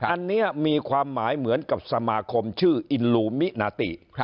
อันนี้มีความหมายเหมือนกับสมาคมชื่ออินลูมินาติ